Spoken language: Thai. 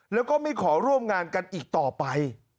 แล้วก็ไม่ขอร่วมงานกันอีกต่อไป